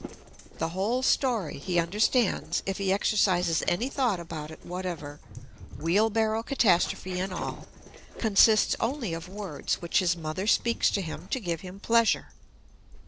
The whole story, he understands, if he exercises any thought about it whatever wheelbarrow catastrophe and all consists only of words which his mother speaks to him to give him pleasure.